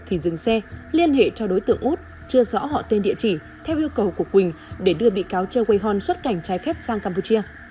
thì dừng xe liên hệ cho đối tượng út chưa rõ họ tên địa chỉ theo yêu cầu của quỳnh để đưa bị cáo trơ quay hon xuất cảnh trái phép sang campuchia